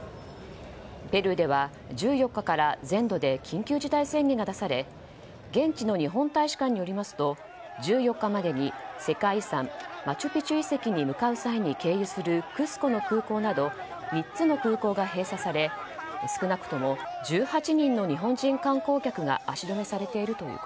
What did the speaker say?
ペルーでは１４日から全土で緊急事態宣言が出され現地の日本大使館によりますと１４日までに世界遺産、マチュピチュ遺跡に向かう際に経由するクスコの空港など３つの空港が閉鎖され少なくとも１８人の日本人観光客がかしこく食べたいうわ！